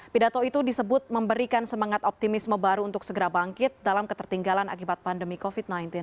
pidato itu disebut memberikan semangat optimisme baru untuk segera bangkit dalam ketertinggalan akibat pandemi covid sembilan belas